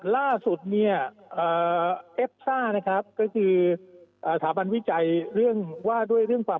ล่าสุดเกี่ยวเองประมาณวิจัยว่าด้วยเรื่องความ